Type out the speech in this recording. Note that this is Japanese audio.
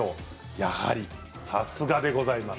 やはり、さすがでございます。